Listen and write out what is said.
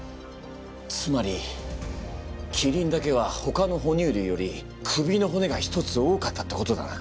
つまりキリンだけはほかの哺乳類より首の骨が１つ多かったってことだな？